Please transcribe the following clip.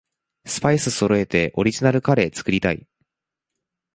スパイスそろえてオリジナルカレー作りたい